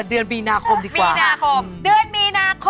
เฮ้เลยค่ะสุดท้าย